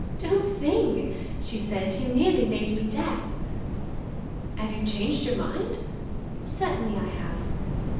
"Don't sing!" she said. "You nearly made me deaf." "Have you changed your mind?" "Certainly I have!"